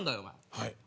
はい。